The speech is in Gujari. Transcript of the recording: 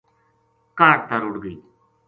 کاہڈ تا رُڑ گئی